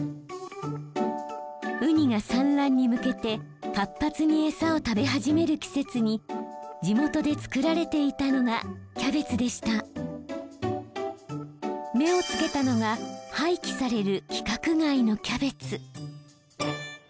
ウニが産卵に向けて活発に餌を食べ始める季節に地元で作られていたのが目を付けたのが廃棄される規格外のキャベツ。